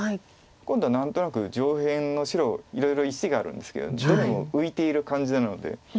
今度は何となく上辺の白いろいろ石があるんですけどどれも浮いている感じなので。